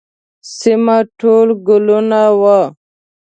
سیمه ټول ګلونه وه.